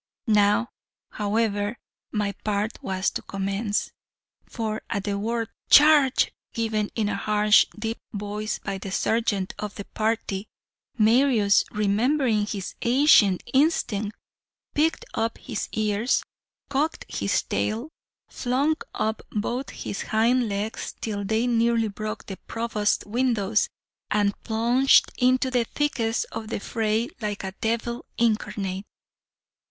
Now, however, my part was to commence, for at the word 'Charge,' given in a harsh, deep voice by the sergeant of the party, Marius, remembering his ancient instinct, pricked up his ears, cocked his tail, flung up both his hind legs till they nearly broke the Provost's windows, and plunged into the thickest of the fray like a devil incarnate.